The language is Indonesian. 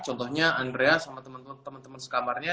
contohnya andrea sama temen temen sekamarnya